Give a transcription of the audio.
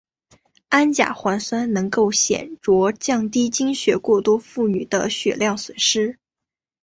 氨甲环酸能够显着降低经血过多妇女的血量损失。